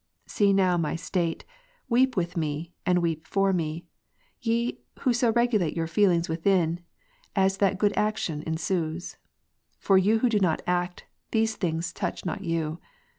See now my state ; weep with me, and weep for me, ye, who so regulate your feelings within, as that good action ensues. For you who do not act, these things touch not you.